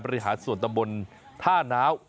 บริหารส่วนตะบนท่าน้าว